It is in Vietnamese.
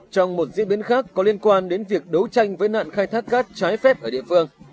trong một diễn biến khác có liên quan đến việc đấu tranh với nạn khai thác cát trái phép ở địa phương